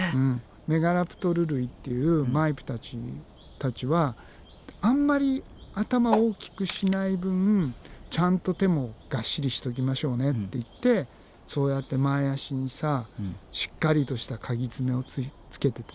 メガラプトル類っていうマイプたちはあんまり頭大きくしない分ちゃんと手もガッシリしときましょうねっていってそうやって前あしにさしっかりとしたカギ爪をつけててね。